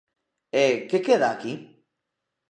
E ¿que queda aquí?